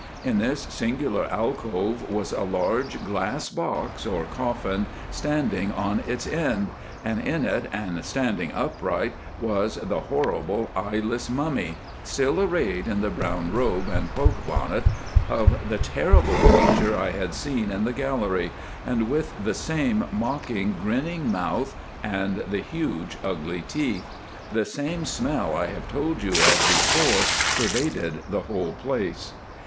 In this singular alcove was a large glass box, or coffin, standing on its end, and in it and standing upright was the horrible eyeless mummy (still arrayed in the brown robe and poke bonnet) of the terrible creature I had seen in the gallery, and with the same mocking, grinning mouth and the huge ugly teeth. The same smell I have told you of before pervaded the whole place.